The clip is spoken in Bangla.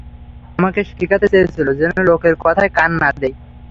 বাবা আমাকে শিখাতে চেয়েছিলো, যেন, লোকের কথায় কান না দেই!